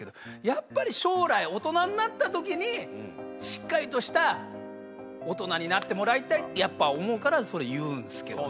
やっぱり将来大人になった時にしっかりとした大人になってもらいたいとやっぱ思うからそれ言うんですけどね